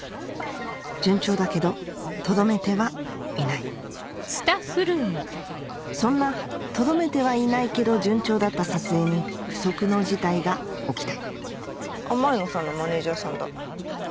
順調だけどとどめてはいないそんなとどめてはいないけど順調だった撮影に不測の事態が起きた前野さんのマネジャーさんだ。